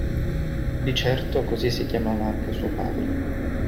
Di certo, così si chiamava anche suo padre.